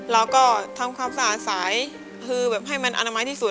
เราก็ทำความสะอาดสายคือแบบให้มันอนามัยที่สุด